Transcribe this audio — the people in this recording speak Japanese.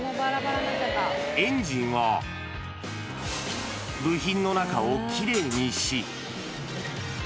エンジンは、部品の中をきれいにし。